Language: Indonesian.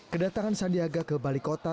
kedatangan sandiaga ke balai kota